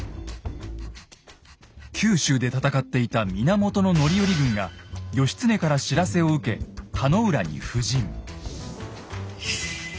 九州で戦っていた源範頼軍が義経から知らせを受け田野浦に布陣。